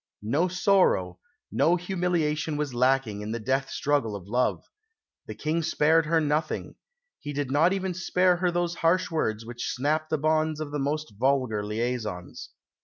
"No sorrow, no humiliation was lacking in the death struggle of love. The King spared her nothing. He did not even spare her those harsh words which snap the bonds of the most vulgar liaisons."